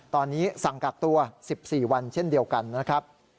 ตอนนี้สั่งกักตัว๑๔วันเช่นเดียวกันนะครับ